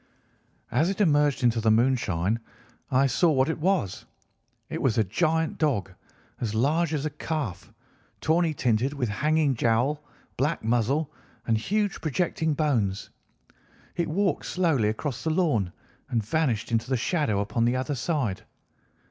As it emerged into the moonshine I saw what it was. It was a giant dog, as large as a calf, tawny tinted, with hanging jowl, black muzzle, and huge projecting bones. It walked slowly across the lawn and vanished into the shadow upon the other side.